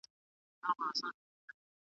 زه بايد موسيقي اورم!؟